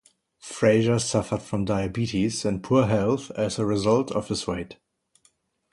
Frazier suffered from diabetes and poor health as a result of his weight.